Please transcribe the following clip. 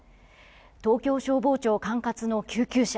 東京消防庁管轄の救急車。